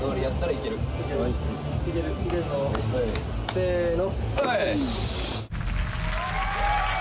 せの！